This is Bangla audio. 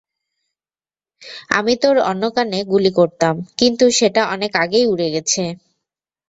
আমি তোর অন্য কানে গুলি করতাম, কিন্তু সেটা অনেক আগেই উড়ে গেছে।